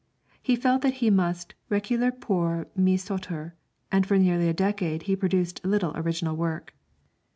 He felt that he must reculer pour mieux sauter, and for nearly a decade he produced little original work.